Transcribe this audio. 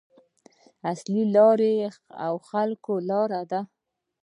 اصلي لاره د خلکو لاره ده.